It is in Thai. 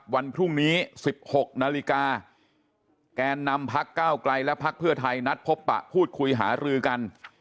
วันพรุ่งนี้๑๖นาฬิกาแกนนำพักก้าวไกลและพักเพื่อไทยนัดพบปะพูดคุยหารือกัน